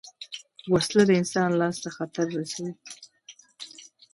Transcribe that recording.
وسله د انسان لاس ته خطر رسوي